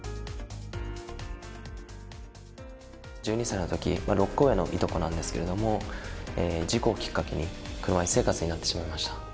１２歳の時６個上の従兄弟なんですけれども事故をきっかけに車椅子生活になってしまいました。